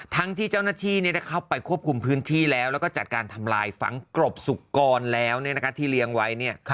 ทั้งที่เจ้าหน้าที่ได้เข้าไปควบคุมพื้นที่แล้วแล้วก็จัดการทำลายฝังกรบสุกรแล้วที่เลี้ยงไว้